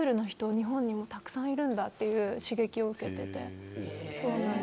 日本にもたくさんいるんだっていう刺激を受けててそうなんです。